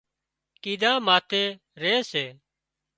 ڪيڌا ماٿي ري سي